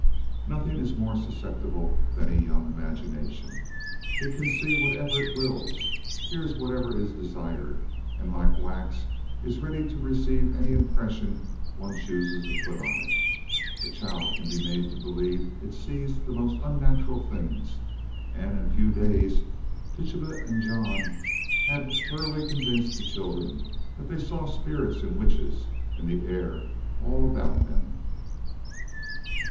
Nothing is more susceptible than a young imagination. It can see whatever it wills, hear whatever is desired, and like wax is ready to receive any impression one chooses to put on it. A child can be made to believe it sees the most unnatural things, and in a few days Tituba and John had thoroughly convinced the children that they saw spirits and witches in the air all about them.